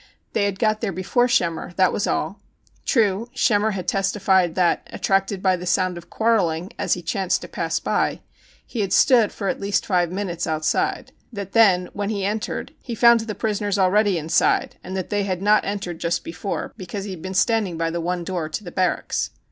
They had got there before Schemmer ã that was all. True, Schemmer had testified that, attracted by the sound of quarrelling as he chanced to pass by, he had stood for at least five minutes out side; that then, when he entered, he found the prisoners already inside; and that they had not entered just before, because he had been stand THE CHINAGO 157 ing by the one door to the barracks.